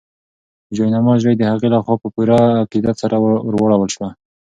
د جاینماز ژۍ د هغې لخوا په پوره عقیدت سره ورواړول شوه.